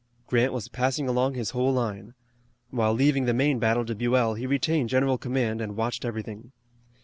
Grant was passing along his whole line. While leaving the main battle to Buell he retained general command and watched everything.